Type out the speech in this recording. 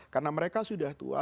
karena mereka sudah tua